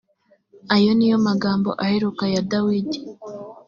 aya ni yo magambo aheruka ya dawidi